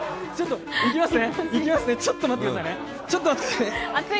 いきますね、ちょっと待ってくださいね。